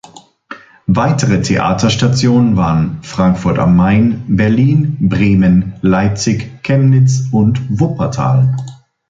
Weitere Theaterstationen waren Frankfurt am Main, Berlin, Bremen, Leipzig, Chemnitz und Wuppertal.